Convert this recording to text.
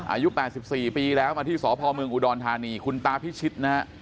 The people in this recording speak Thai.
อายุ๘๔ปีแล้วมาที่สพเมืองอุดรธานีคุณตาพิชิตนะฮะ